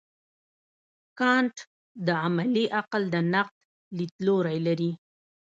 کانټ د عملي عقل د نقد لیدلوری لري.